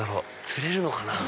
釣れるのかな？